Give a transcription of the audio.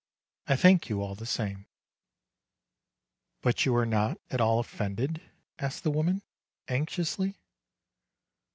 I thank you all the same." "But you are not at all offended?" asked the woman, anxiously.